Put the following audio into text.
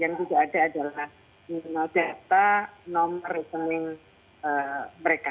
yang sudah ada adalah data nomor rekening mereka